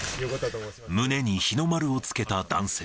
胸に日の丸をつけた男性。